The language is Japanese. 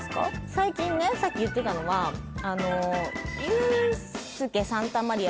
最近ねさっき言ってたのはおお？